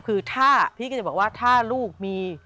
คือถ้าพี่ก็จะบอกว่าถ้าลูกมี